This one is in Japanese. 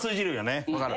分かる。